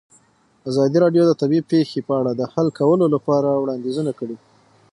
ازادي راډیو د طبیعي پېښې په اړه د حل کولو لپاره وړاندیزونه کړي.